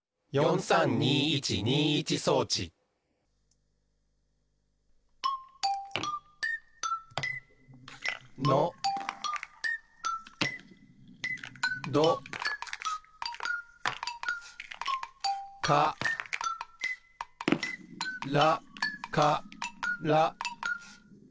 ４３２１２１装置のどからから。